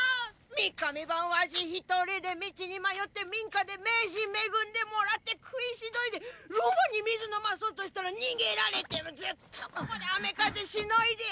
三日三晩ワシひとりで道に迷って民家で飯恵んでもらって喰いしのいでロバに水飲まそうとしたら逃げられてずっとここで雨風しのいで。